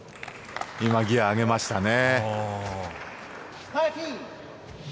ギア上げましたね。